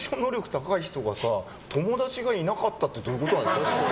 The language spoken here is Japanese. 高い人が友達がいなかったってどういうことなの？